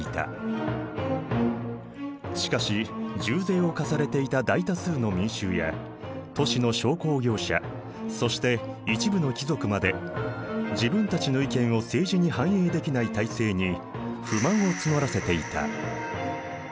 しかし重税を課されていた大多数の民衆や都市の商工業者そして一部の貴族まで自分たちの意見を政治に反映できない体制に不満を募らせていた。